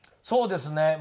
そうですね。